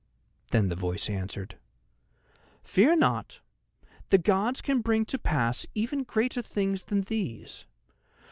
Then the voice answered: "Fear not! the gods can bring to pass even greater things than these.